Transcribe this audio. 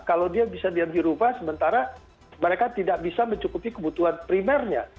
kalau dia bisa diam di rumah sementara mereka tidak bisa mencukupi kebutuhan primernya